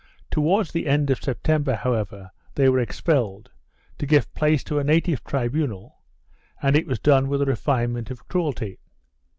1 Towards the end of September, however, they were expelled, to give place to a native tribunal, and it was done with a refinement of cruelty.